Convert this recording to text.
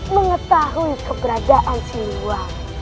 mengetahui keberadaan si luar